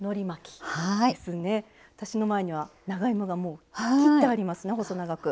私の前には長芋がもう切ってありますね細長く。